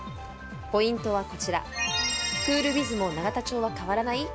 ポイントはクールビズも永田町は変わらない？